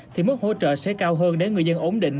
thì mức hỗ trợ sẽ cao hơn để người dân ổn định